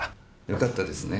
よかったですね。